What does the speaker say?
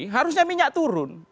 harusnya minyak turun